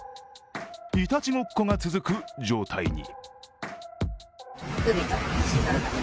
いたちごっこが続く状態に。